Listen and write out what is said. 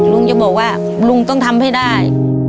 ลุงจะบอกว่าลุงต้องทำให้ได้